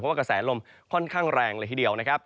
กระแสลมค่อนข้างแรงเลยทีเดียวนะครับ